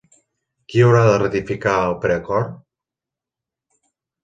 Qui haurà de ratificar el preacord?